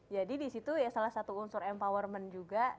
jadi di situ salah satu unsur empowerment juga